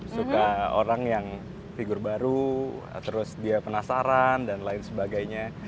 suka orang yang figur baru terus dia penasaran dan lain sebagainya